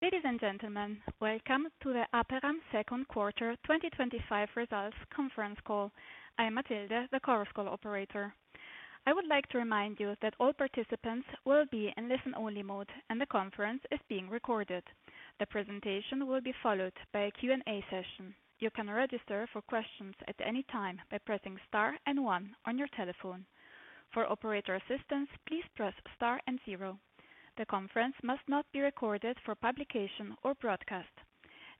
Ladies and gentlemen, welcome to the Aperam Second Quarter 2025 Results Conference Call. I am [Mathilde] the Chorus Call operator. I would like to remind you that all participants will be in listen-only mode, and the conference is being recorded. The presentation will be followed by a Q&A session. You can register for questions at any time by pressing star and one on your telephone. For operator assistance, please press star and zero. The conference must not be recorded for publication or broadcast.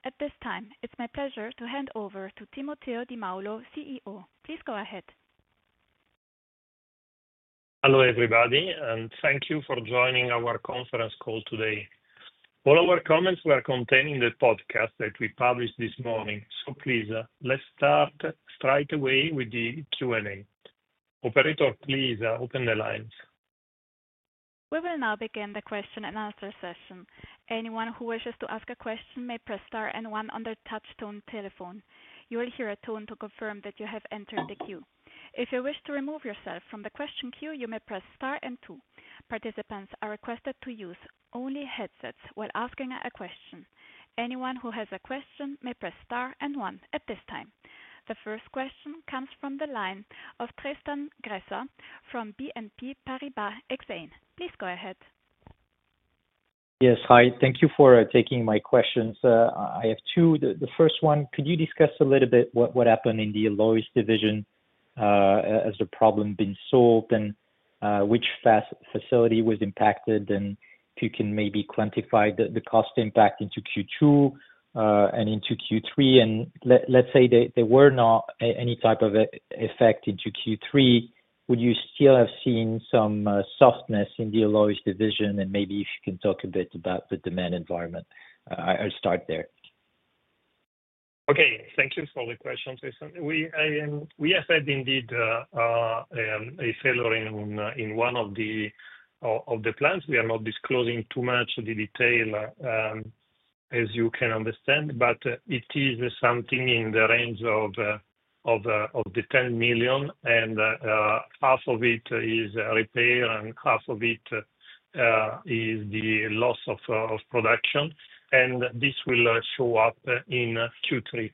At this time, it's my pleasure to hand over to Timoteo Di Maulo, CEO. Please go ahead. Hello everybody, and thank you for joining our conference call today. All our comments were contained in the podcast that we published this morning, so please, let's start straight away with the Q&A. Operator, please open the lines. We will now begin the question-and-answer session. Anyone who wishes to ask a question may press star and one on their touch-tone telephone. You will hear a tone to confirm that you have entered the queue. If you wish to remove yourself from the question queue, you may press star and two. Participants are requested to use only headsets while asking a question. Anyone who has a question may press star and one at this time. The first question comes from the line of Tristan Gresser from BNP Paribas Exane. Please go ahead. Yes, hi, thank you for taking my questions. I have two. The first one, could you discuss a little bit what happened in the Alloys Division? Has the problem been solved, and which facility was impacted? If you can maybe quantify the cost impact into Q2 and into Q3, and let's say there were not any type of effect into Q3, would you still have seen some softness in the Alloys Division? Maybe if you can talk a bit about the demand environment. I'll start there. Okay, thank you for the question, Tristan. We have had indeed a failure in one of the plants. We are not disclosing too much of the detail, as you can understand, but it is something in the range of 10 million, and half of it is repair and half of it is the loss of production, and this will show up in Q3.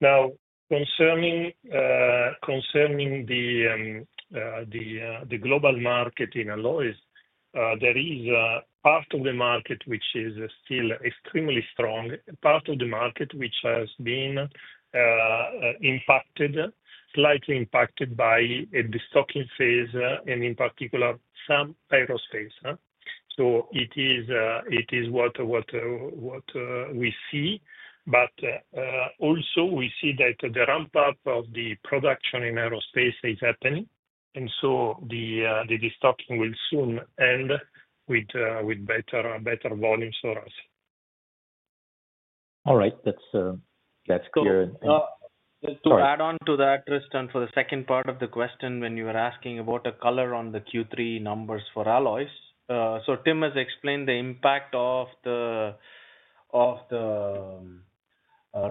Now, concerning the global market in alloys, there is a part of the market which is still extremely strong, a part of the market which has been impacted, slightly impacted by a stocking phase, in particular, some aerospace. It is what we see, but also we see that the ramp-up of the production in aerospace is happening, and the stocking will soon end with better volumes for us. All right, that's clear. To add on to that, Tristan, for the second part of the question, when you were asking about a color on the Q3 numbers for alloys, Tim has explained the impact of the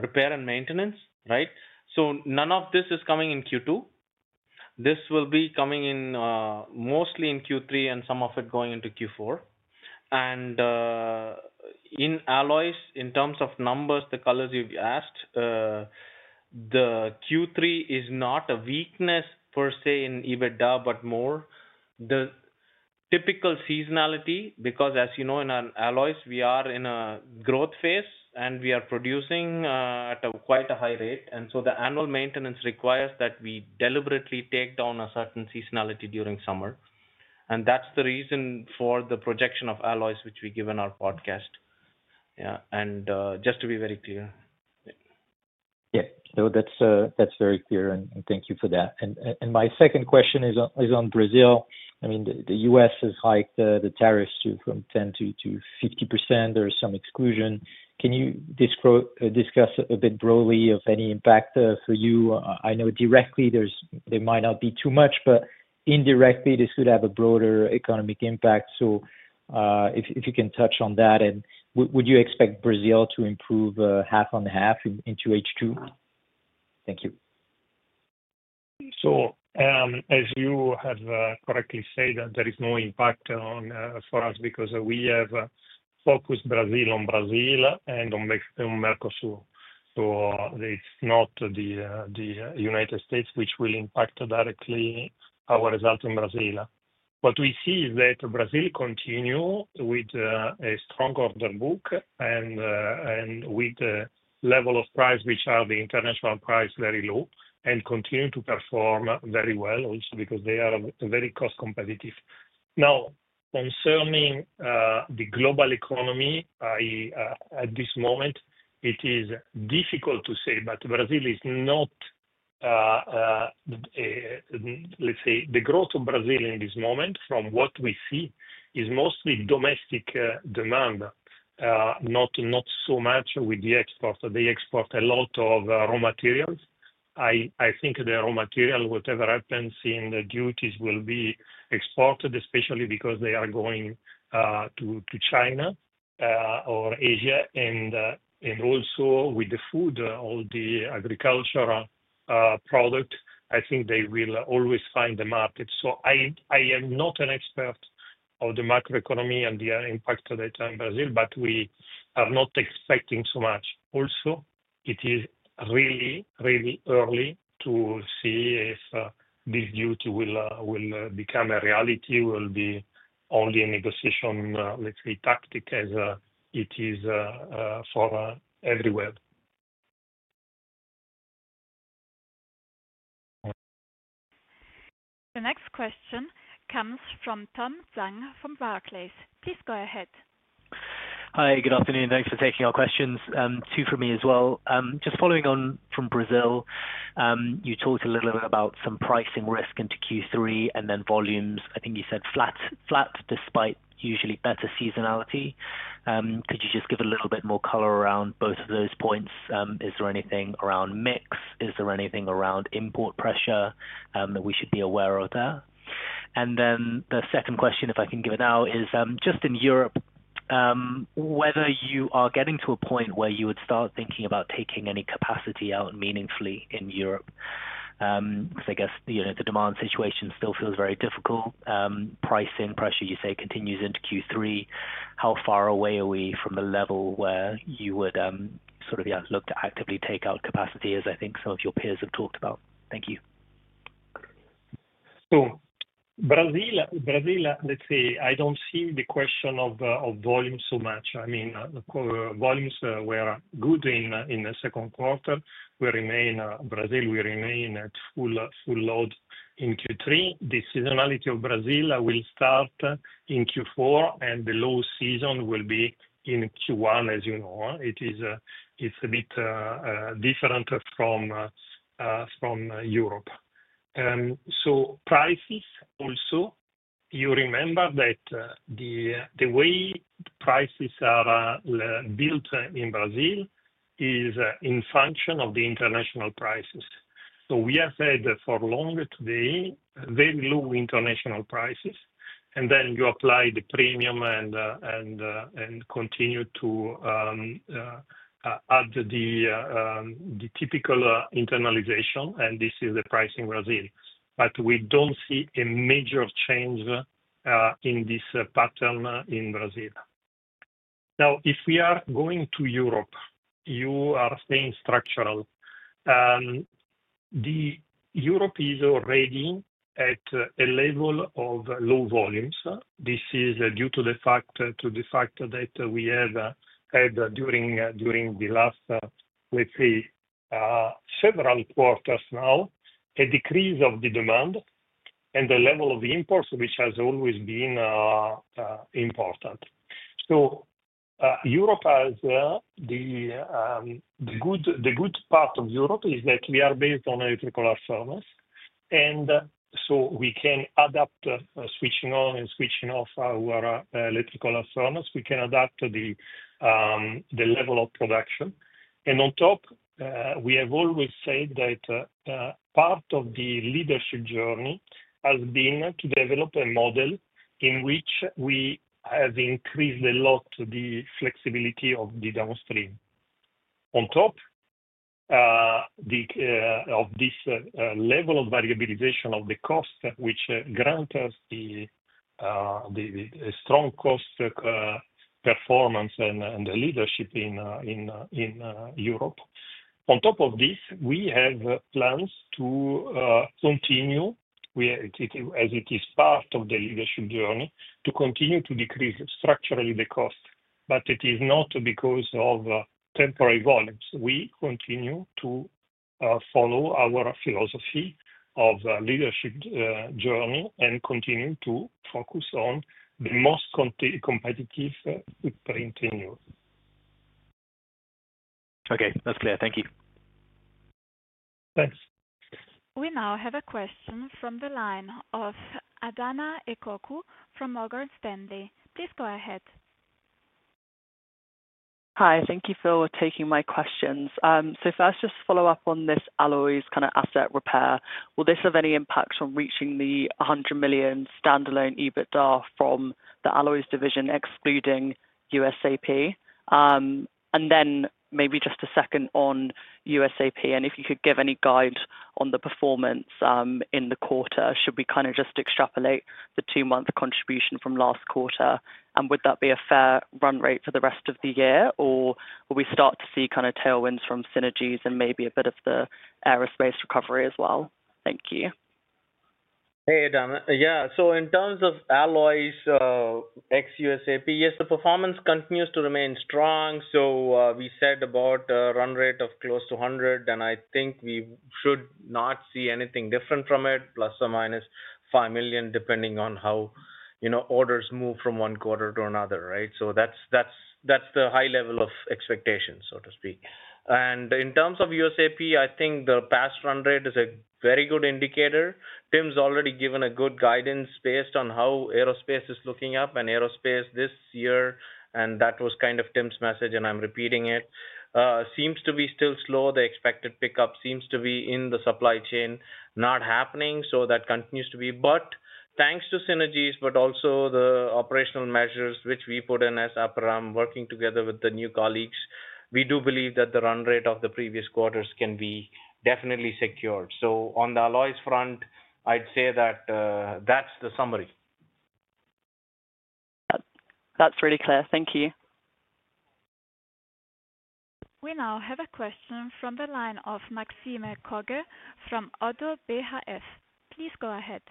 repair and maintenance, right? None of this is coming in Q2. This will be coming in mostly in Q3, and some of it going into Q4. In alloys, in terms of numbers, the colors you've asked, the Q3 is not a weakness per se in EBITDA, but more the typical seasonality, because as you know, in our alloys, we are in a growth phase, and we are producing at quite a high rate. The annual maintenance requires that we deliberately take down a certain seasonality during summer. That's the reason for the projection of alloys, which we give in our podcast. Yeah, and just to be very clear. Yeah, that's very clear, and thank you for that. My second question is on Brazil. I mean, the U.S. has hiked the tariffs from 10%-50%. There is some exclusion. Can you discuss a bit broadly of any impact for you? I know directly there might not be too much, but indirectly, this could have a broader economic impact. If you can touch on that, and would you expect Brazil to improve half on half into H2? Thank you. As you have correctly said, there is no impact for us because we have focused Brazil on Brazil and on Mercosur. It is not the United States which will impact directly our result in Brazil. What we see is that Brazil continues with a strong order book and with the level of price, which are the international price, very low, and continue to perform very well also because they are very cost-competitive. Now, concerning the global economy, at this moment, it is difficult to say, but Brazil is not, let's say, the growth of Brazil in this moment, from what we see, is mostly domestic demand, not so much with the export. They export a lot of raw materials. I think the raw material, whatever happens in the duties, will be exported, especially because they are going to China or Asia. Also, with the food, all the agricultural products, I think they will always find the market. I am not an expert of the macroeconomy and the impact of that on Brazil, but we are not expecting so much. Also, it is really, really early to see if this duty will become a reality, will be only a negotiation, let's say, tactic, as it is for everywhere. The next question comes from Tom Zhang from Barclays. Please go ahead. Hi, good afternoon. Thanks for taking our questions. Two from me as well. Just following on from Brazil, you talked a little bit about some pricing risk into Q3 and then volumes. I think you said flat despite usually better seasonality. Could you just give a little bit more color around both of those points? Is there anything around mix? Is there anything around import pressure that we should be aware of there? The second question, if I can give it now, is just in Europe, whether you are getting to a point where you would start thinking about taking any capacity out meaningfully in Europe, because I guess the demand situation still feels very difficult. Pricing pressure, you say, continues into Q3. How far away are we from the level where you would sort of, yeah, look to actively take out capacity, as I think some of your peers have talked about? Thank you. Brazil, let's say, I don't see the question of volume so much. I mean, volumes were good in the second quarter. We remain Brazil, we remain at full load in Q3. The seasonality of Brazil will start in Q4, and the low season will be in Q1, as you know. It's a bit different from Europe. Prices also, you remember that the way prices are built in Brazil is in function of the international prices. We have had for long today very low international prices, and then you apply the premium and continue to add the typical internalization, and this is the price in Brazil. We don't see a major change in this pattern in Brazil. Now, if we are going to Europe, you are staying structural. Europe is already at a level of low volumes. This is due to the fact that we have had during the last, let's say, several quarters now, a decrease of the demand and the level of imports, which has always been important. Europe has the good part that we are based on electrical furnaces, and we can adapt, switching on and switching off our electrical furnaces. We can adapt the level of production. On top, we have always said that part of the leadership journey has been to develop a model in which we have increased a lot the flexibility of the downstream. On top of this level of variabilization of the cost, which grants us the strong cost performance and the leadership in Europe. On top of this, we have plans to continue, as it is part of the leadership journey, to continue to decrease structurally the cost. It is not because of temporary volumes. We continue to follow our philosophy of leadership journey and continue to focus on the most competitive footprint in Europe. Okay, that's clear. Thank you. Thanks. We now have a question from the line of Adahna Ekoku from Morgan Stanley. Please go ahead. Hi, thank you for taking my questions. First, just to follow up on this alloys kind of asset repair. Will this have any impact on reaching the 100 million standalone EBITDA from the alloys division, excluding USAP? Maybe just a second on USAP, and if you could give any guide on the performance in the quarter, should we just extrapolate the two-month contribution from last quarter? Would that be a fair run rate for the rest of the year, or will we start to see tailwinds from synergies and maybe a bit of the aerospace recovery as well? Thank you. Hey, Adahna. Yeah, so in terms of alloys ex-USAP, yes, the performance continues to remain strong. We said about a run rate of close to 100 million, and I think we should not see anything different from it, plus or minus 5 million, depending on how, you know, orders move from one quarter to another, right? That's the high level of expectation, so to speak. In terms of USAP, I think the past run rate is a very good indicator. Tim's already given a good guidance based on how aerospace is looking up, and aerospace this year, and that was kind of Tim's message, and I'm repeating it, seems to be still slow. The expected pickup seems to be in the supply chain not happening, that continues to be. Thanks to synergies, but also the operational measures which we put in as Aperam, working together with the new colleagues, we do believe that the run rate of the previous quarters can be definitely secured. On the alloys front, I'd say that that's the summary. That's really clear. Thank you. We now have a question from the line of Maxime Kogge from ODDO BHF. Please go ahead.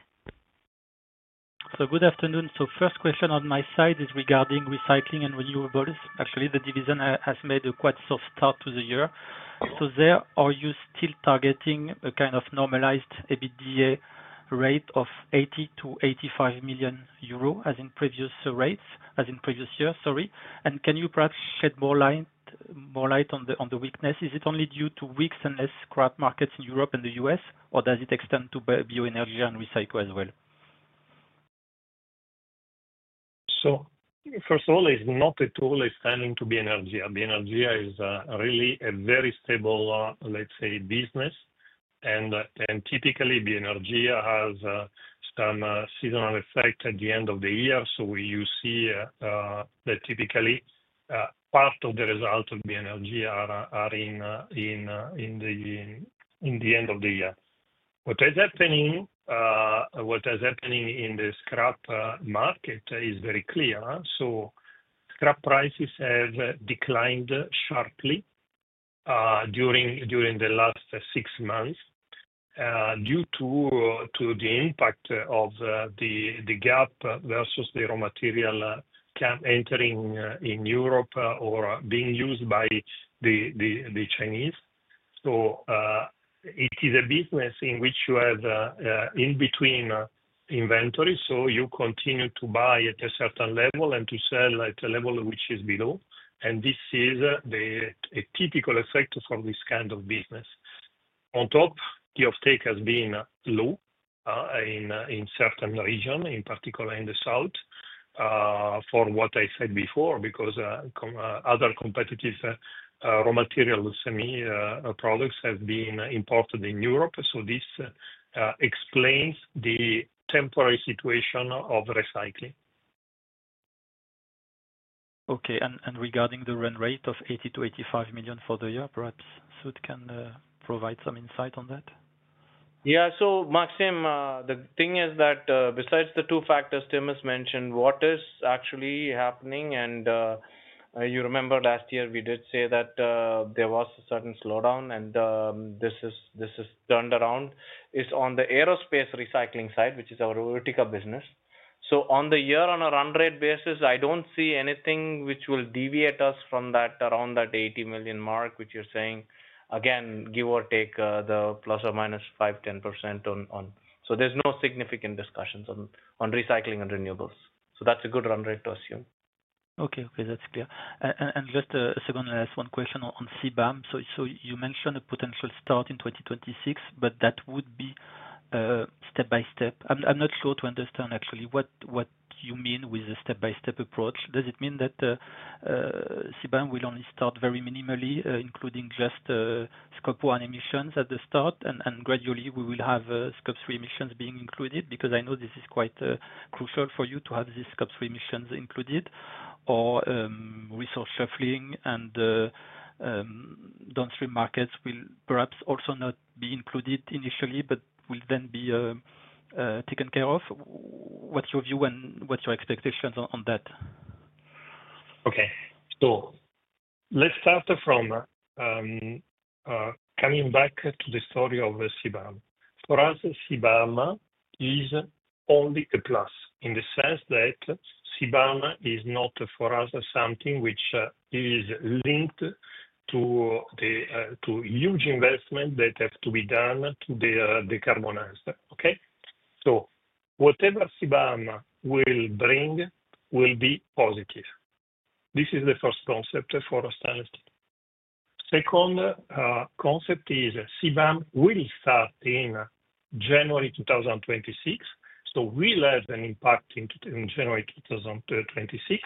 Good afternoon. First question on my side is regarding recycling and renewables. Actually, the division has made a quite soft start to the year. Are you still targeting a kind of normalized EBITDA rate of 80 million-85 million euro as in previous years? Can you perhaps shed more light on the weakness? Is it only due to weak and less scrap markets in Europe and the U.S., or does it extend to Bioenergia and Recycle as well? First of all, it's not at all extending to Bioenergia. Bioenergia is really a very stable, let's say, business. Typically, Bioenergia has some seasonal effect at the end of the year. You see that typically, part of the results of Bioenergia are in the end of the year. What is happening in the scrap market is very clear. Scrap prices have declined sharply during the last six months due to the impact of the gap versus the raw material entering in Europe or being used by the Chinese. It is a business in which you have in-between inventory. You continue to buy at a certain level and to sell at a level which is below. This is a typical effect for this kind of business. On top, the offtake has been low in certain regions, in particular in the south, for what I said before, because other competitive raw material products have been imported in Europe. This explains the temporary situation of recycling. Okay, regarding the run rate of 80 million-85 million for the year, perhaps Sud can provide some insight on that. Yeah, Maxime, the thing is that besides the two factors Tim has mentioned, what is actually happening? You remember last year, we did say that there was a sudden slowdown, and this has turned around. It's on the aerospace recycling side, which is our Utica business. On the year-on-a-run rate basis, I don't see anything which will deviate us from that around that 80 million mark, which you're saying, again, give or take the plus or minus 5%, 10% on. There's no significant discussions on recycling and renewables. That's a good run rate to assume. Okay, that's clear. I'll ask one question on CBAM. You mentioned a potential start in 2026, but that would be step by step. I'm not sure I understand actually what you mean with a step-by-step approach. Does it mean that CBAM will only start very minimally, including just scope 1 emissions at the start, and gradually, we will have scope 3 emissions being included? I know this is quite crucial for you to have these scope 3 emissions included, or resource shuffling and downstream markets will perhaps also not be included initially, but will then be taken care of. What's your view and what's your expectations on that? Okay, so let's start from coming back to the story of CBAM. For us, CBAM is only a plus in the sense that CBAM is not for us something which is linked to the huge investments that have to be done to decarbonize, okay? Whatever CBAM will bring will be positive. This is the first concept for us to understand. The second concept is CBAM will start in January 2026. We'll have an impact in January 2026.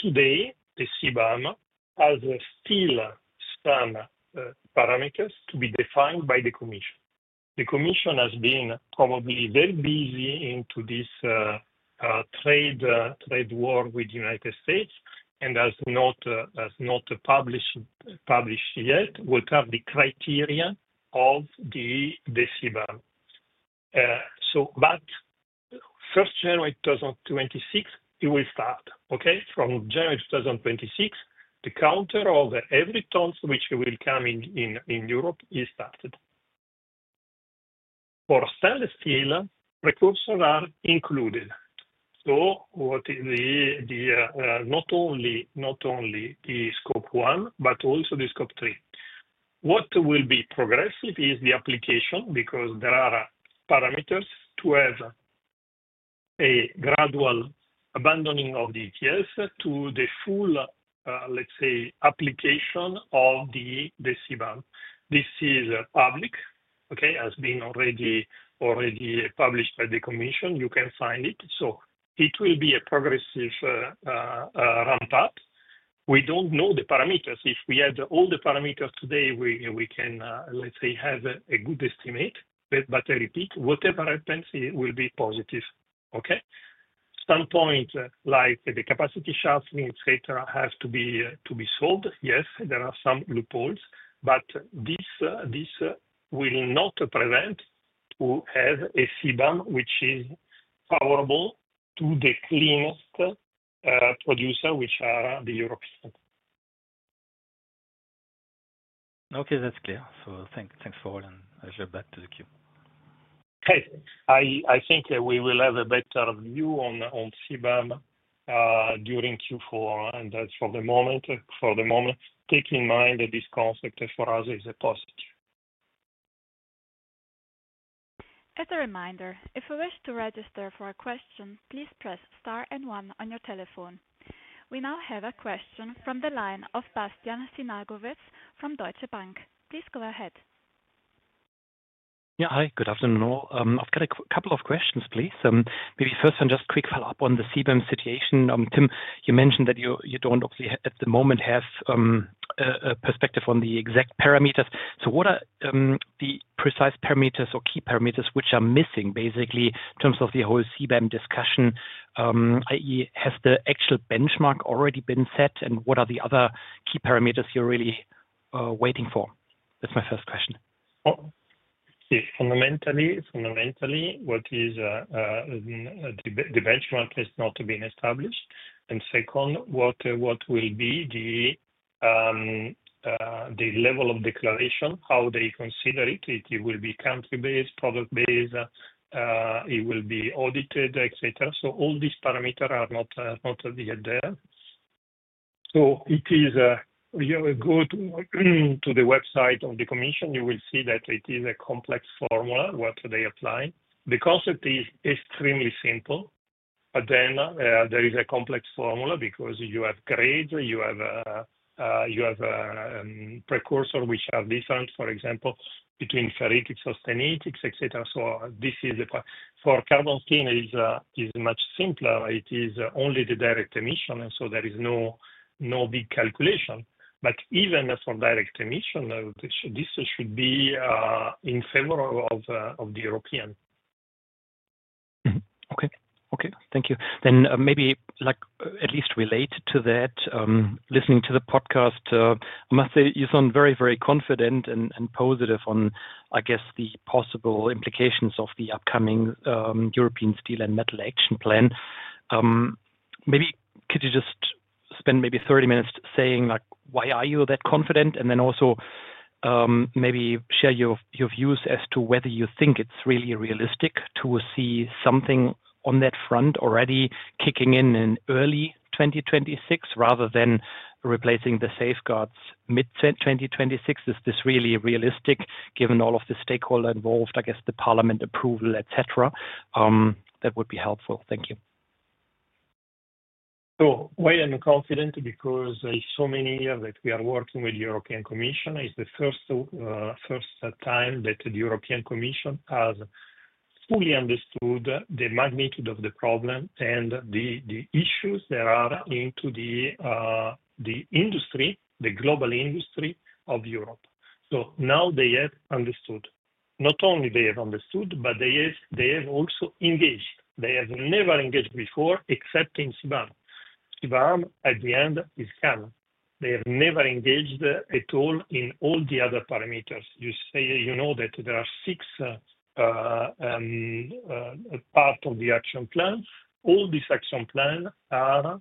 Today, the CBAM has still some parameters to be defined by the commission. The commission has been probably very busy in this trade war with the United States and has not published yet what are the criteria of the CBAM. First, January 2026, it will start, okay? From January 2026, the counter of every ton which will come in Europe is started. For stainless steel, precursors are included. What is not only the scope one, but also the scope three? What will be progressive is the application because there are parameters to have a gradual abandoning of the EPS to the full, let's say, application of the CBAM. This is public, okay? It has been already published by the commission. You can find it. It will be a progressive ramp-up. We don't know the parameters. If we had all the parameters today, we can, let's say, have a good estimate. I repeat, whatever happens, it will be positive, okay? Some points like the capacity shuffling, etc., have to be solved. Yes, there are some loopholes, but this will not prevent us from having a CBAM which is favorable to the cleanest producers, which are the Europeans. Okay, that's clear. Thanks for all, and as you're back to the queue. I think we will have a better view on CBAM during Q4. That's for the moment. Take in mind that this concept for us is a positive. As a reminder, if you wish to register for a question, please press star and one on your telephone. We now have a question from the line of Bastian Synagowitz from Deutsche Bank. Please go ahead. Yeah, hi, good afternoon. I've got a couple of questions, please. Maybe first, just a quick follow-up on the CBAM situation. Tim, you mentioned that you don't obviously at the moment have a perspective on the exact parameters. What are the precise parameters or key parameters which are missing, basically, in terms of the whole CBAM discussion? I.e., has the actual benchmark already been set? What are the other key parameters you're really waiting for? That's my first question. Fundamentally, what is the benchmark has not been established. Second, what will be the level of declaration, how they consider it? It will be country-based, product-based, it will be audited, etc., so all these parameters are not yet there. If you go to the website of the commission, you will see that it is a complex formula what they apply. The concept is extremely simple, but then there is a complex formula because you have grades, you have precursors which are different, for example, between ferritics or austenitics, etc. This is the part for carbon clean is much simpler. It is only the direct emission, and so there is no big calculation. Even for direct emission, this should be in favor of the European. Okay, thank you. Maybe at least related to that, listening to the podcast, I must say you sound very, very confident and positive on, I guess, the possible implications of the upcoming European Steel and Metal Action Plan. Maybe could you just spend maybe 30 minutes saying why are you that confident, and then also maybe share your views as to whether you think it's really realistic to see something on that front already kicking in in early 2026 rather than replacing the safeguards mid-2026? Is this really realistic given all of the stakeholders involved, I guess, the parliament approval, etc.? That would be helpful. Thank you. Why I'm confident is because so many years that we are working with the European Commission. It's the first time that the European Commission has fully understood the magnitude of the problem and the issues that are into the industry, the global industry of Europe. Now they have understood. Not only have they understood, but they have also engaged. They have never engaged before except in CBAM. CBAM, at the end, is common. They have never engaged at all in all the other parameters. You say you know that there are six parts of the action plan. All these action plans are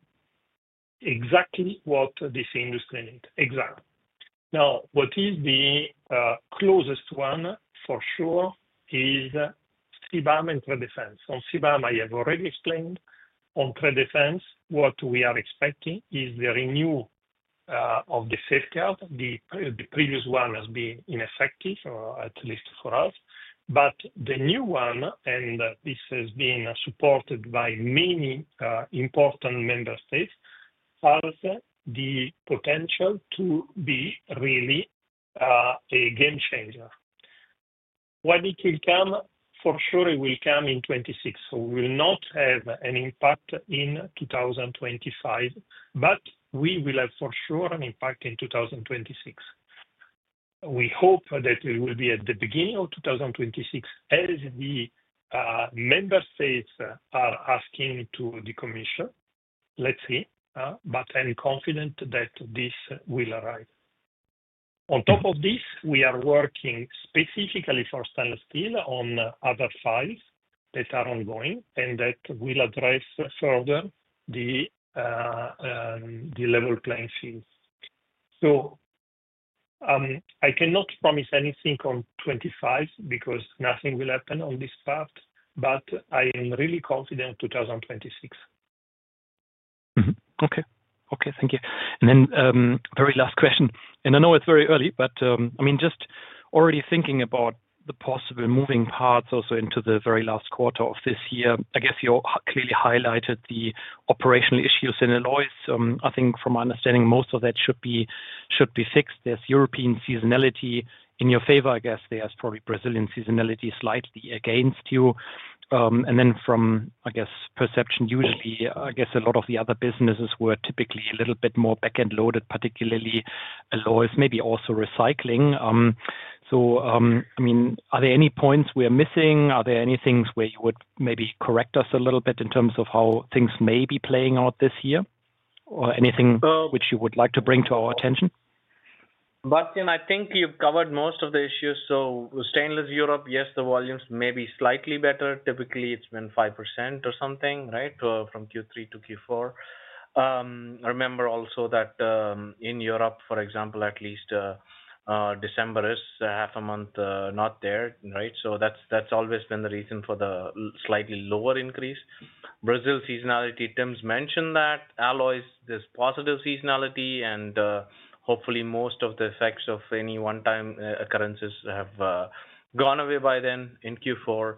exactly what this industry needs. Exactly. Now, what is the closest one for sure is CBAM and trade defense. On CBAM, I have already explained. On trade defense, what we are expecting is the renewal of the safeguard. The previous one has been ineffective, at least for us. The new one, and this has been supported by many important member states, has the potential to be really a game changer. When it will come, for sure it will come in 2026. We will not have an impact in 2025, but we will have for sure an impact in 2026. We hope that it will be at the beginning of 2026 as the member states are asking to the commission. Let's see. I'm confident that this will arrive. On top of this, we are working specifically for stainless steel on other files that are ongoing and that will address further the level playing field. I cannot promise anything on 2025 because nothing will happen on this part, but I am really confident in 2026. Okay, thank you. Very last question. I know it's very early, but just already thinking about the possible moving parts also into the very last quarter of this year, I guess you clearly highlighted the operational issues in Lowes. From my understanding, most of that should be fixed. There's European seasonality in your favor, I guess. There's probably Brazilian seasonality slightly against you. From perception, usually a lot of the other businesses were typically a little bit more back-end loaded, particularly Lowes, maybe also recycling. Are there any points we're missing? Are there any things where you would maybe correct us a little bit in terms of how things may be playing out this year, or anything which you would like to bring to our attention? Bastian, I think you've covered most of the issues. Stainless Europe, yes, the volumes may be slightly better. Typically, it's been 5% or something, right, from Q3 to Q4. I remember also that in Europe, for example, at least December is half a month not there, right? That's always been the reason for the slightly lower increase. Brazil seasonality, Tim's mentioned that. Alloys, there's positive seasonality, and hopefully, most of the effects of any one-time occurrences have gone away by then in Q4.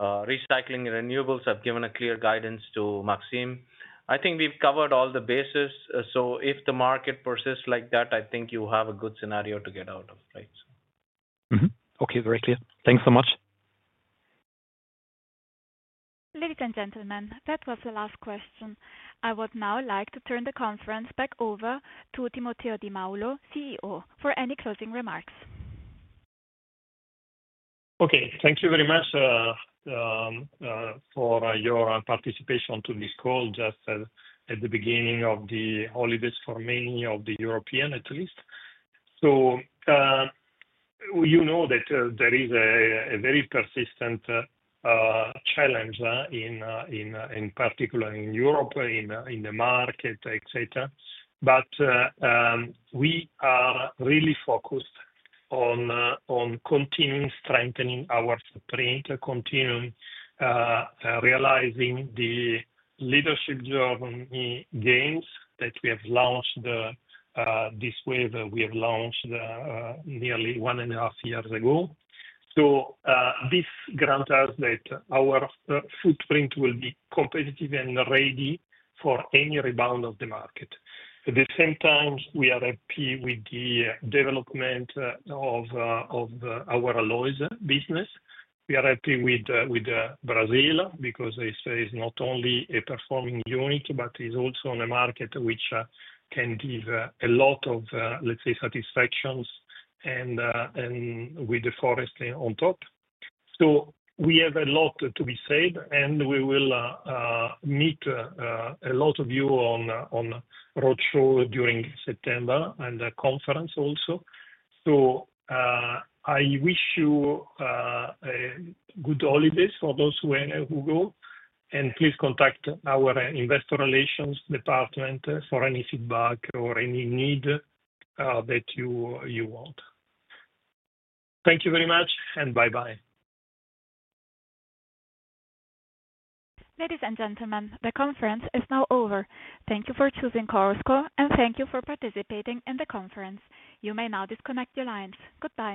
Recycling and renewables, I've given a clear guidance to Maxime. I think we've covered all the bases. If the market persists like that, I think you have a good scenario to get out of, right? Okay, very clear. Thanks so much. Ladies and gentlemen, that was the last question. I would now like to turn the conference back over to Timoteo Di Maulo, CEO, for any closing remarks. Okay, thank you very much for your participation to this call just at the beginning of the holidays for many of the Europeans, at least. You know that there is a very persistent challenge, in particular in Europe, in the market, etc. We are really focused on continuing strengthening our footprint, continuing realizing the leadership journey gains that we have launched, this wave that we have launched nearly one and a half years ago. This grants us that our footprint will be competitive and ready for any rebound of the market. At the same time, we are happy with the development of our alloys business. We are happy with Brazil because it's not only a performing unit, but it's also in a market which can give a lot of, let's say, satisfactions and with the forest on top. We have a lot to be said, and we will meet a lot of you on roadshow during September and the conference also. I wish you good holidays for those who go, and please contact our investor relations department for any feedback or any need that you want. Thank you very much, and bye-bye. Ladies and gentlemen, the conference is now over. Thank you for choosing Chorus Call, and thank you for participating in the conference. You may now disconnect your lines. Goodbye.